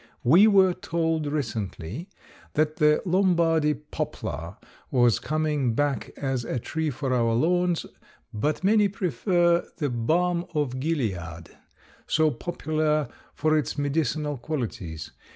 We were told recently that the Lombardy poplar was coming back as a tree for our lawns, but many prefer the balm of gilead, so popular for its medicinal qualities.